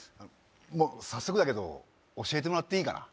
もう早速だけど教えてもらっていいかな？